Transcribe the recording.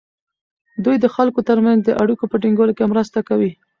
دوی د خلکو ترمنځ د اړیکو په ټینګولو کې مرسته کوي.